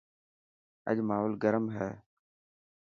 اڄ ماحول گرم هي.